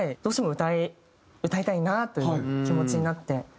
どうしても歌いたいなという気持ちになって。